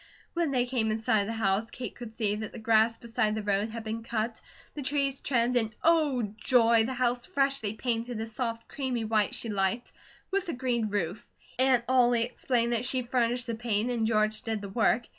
When they came in sight of the house, Kate could see that the grass beside the road had been cut, the trees trimmed, and Oh, joy, the house freshly painted a soft, creamy white she liked, with a green roof. Aunt Ollie explained that she furnished the paint and George did the work.